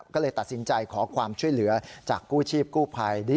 ก็เลยตัดสินใจขอความช่วยเหลือจากกู้ชีพกู้ภัย